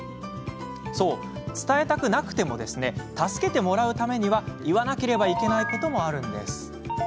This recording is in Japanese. そう、伝えたくなくても助けてもらうためには言わなければいけないこともあるんです。